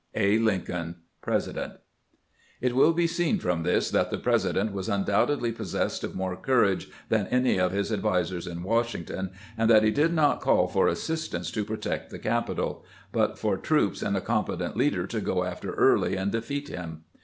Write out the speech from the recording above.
" A. Lincoln, President." It will be seen from this that the President was un doubtedly possessed of more courage/ than any of his advisers at "Washington, and that he did not call for assistance to protect the capital, but for troops and a competent leader to go after Early and defeat him.